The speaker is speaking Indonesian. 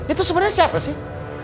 itu sebenernya siapa sih